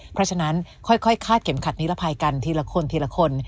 เพราะฉะนั้นค่อยคาดเข็มขัดนิรภัยกันทีละคนทีละคน